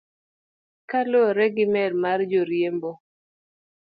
Kaluwore gi mer mar joriembo.